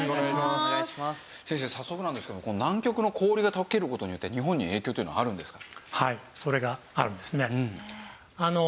先生早速なんですけども南極の氷が溶ける事によって日本に影響っていうのはあるんですか？